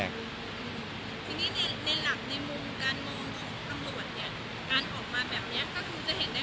แต่ละคนมีสื่อหน้าที่แตกต่างจากช่วงแรกที่คุยกัน